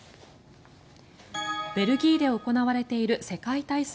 ベルギーで行われている世界体操。